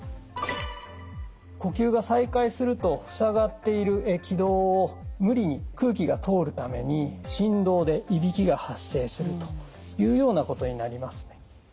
呼吸が再開するとふさがっている気道を無理に空気が通るために振動でいびきが発生するというようなことになりますね。